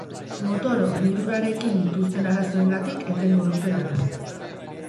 Motor hornidurarekin dituzten arazoengatik etengo dute lana.